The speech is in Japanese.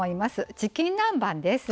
チキン南蛮です。